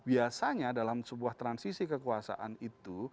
biasanya dalam sebuah transisi kekuasaan itu